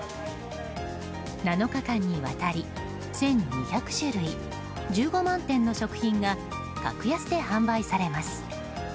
７日間にわたり、１２００種類１５万点の食品が格安で販売されます。